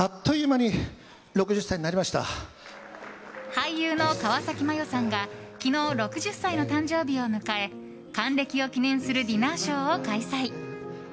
俳優の川崎麻世さんが昨日、６０歳の誕生日を迎え還暦を記念するディナーショーを開催。